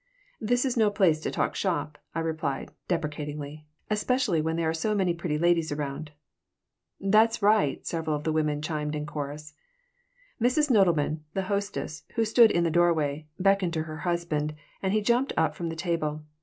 "This is no place to talk shop," I replied, deprecatingly. "Especially when there are so many pretty ladies around." "That's right!" several of the women chimed in in chorus Mrs. Nodelman, the hostess, who stood in the doorway, beckoned to her husband, and he jumped up from the table.